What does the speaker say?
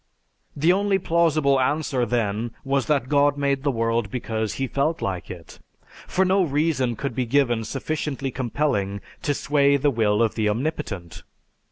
The only plausible answer then was that God made the world because He felt like it. For no reason could be given sufficiently compelling to sway the will of the Omnipotent.